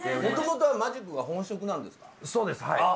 もともとはマジックが本職なんですか？